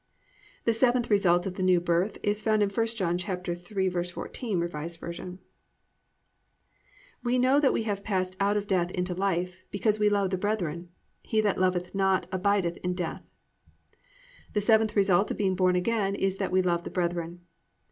7. The seventh result of the New Birth is found in 1 John 3:14, R. V., +"We know that we have passed out of death into life, because we love the brethren. He that loveth not abideth in death."+ _The seventh result of being born again is that we love the brethren.